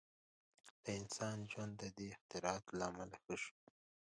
• د انسان ژوند د دې اختراعاتو له امله ښه شو.